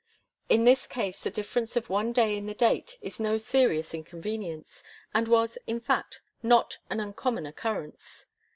In this case the difference of one day in the date is no serious inconvenience, and was, in fact, not an uncommon occurrence.